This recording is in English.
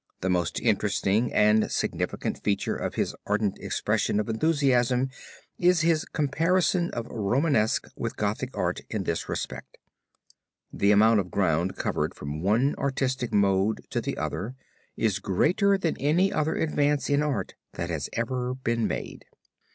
The most interesting and significant feature of his ardent expression of enthusiasm is his comparison of Romanesque with Gothic art in this respect. The amount of ground covered from one artistic mode to the other is greater than any other advance in art that has ever been made.